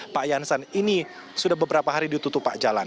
pak jansan ini sudah beberapa hari ditutup pak jalan